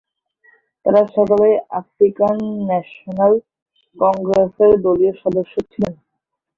তারা সকলেই African National কংগ্রেসের দলীয় সদস্য ছিলেন।